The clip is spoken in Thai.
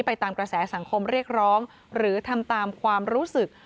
ไปตามกระแสสังคมเรียกร้องหรือทำตามความรู้สึก